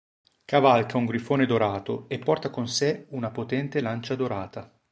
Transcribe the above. Cavalca un grifone dorato e porta con sé una potente lancia dorata.